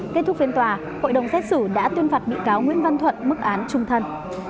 kết thúc phiên tòa hội đồng xét xử đã tuyên phạt bị cáo nguyễn văn thuận mức án trung thân